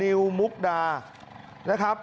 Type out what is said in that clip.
นิวมุกดานะครับ